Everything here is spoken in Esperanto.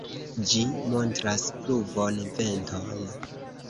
Ĝi montras pluvon venton.